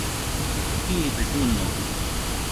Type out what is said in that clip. jibe duño